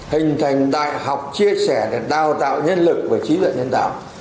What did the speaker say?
hình thành đại học chia sẻ để đào tạo nhân lực và trí tuệ nhân tạo